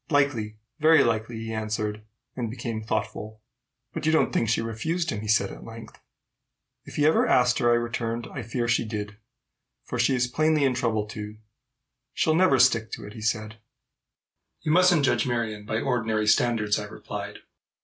"Likely very likely," he answered, and became thoughtful. "But you don't think she refused him?" he said at length. "If he ever asked her," I returned, "I fear she did; for she is plainly in trouble too." "She'll never stick to it," he said. "You mustn't judge Marion by ordinary standards," I replied.